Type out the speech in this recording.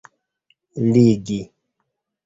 ligi